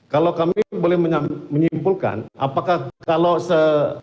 kalau kami boleh menyimpulkan apakah kalau se